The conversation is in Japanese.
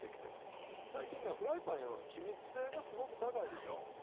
最近ねフライパンいうのは気密性がすごく高いでしょう。